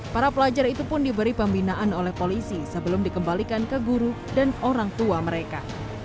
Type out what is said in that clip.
para pelajar itu pun diberi pembinaan oleh polisi sebelum dikembalikan ke guru dan orang tua mereka